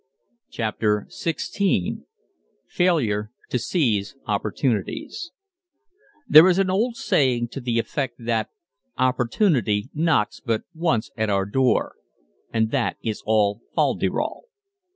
CHAPTER XVI FAILURE TO SEIZE OPPORTUNITIES There is an old saying to the effect that "opportunity knocks but once at our door" and that is all fol de rol.